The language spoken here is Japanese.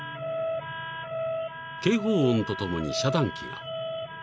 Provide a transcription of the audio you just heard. ［警報音とともに遮断機が］